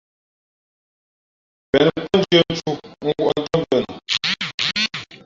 Pěn kwát ndʉ̄ᾱ ntū ngwᾱʼ ntám mvēnα.